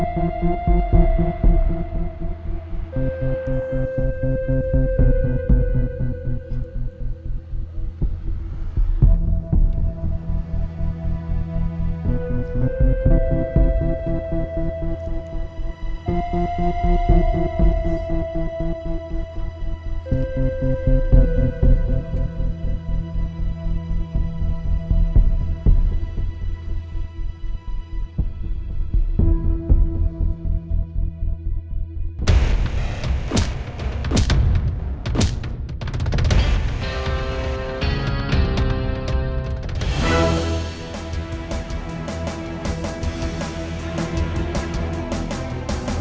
cuma dia yang kerja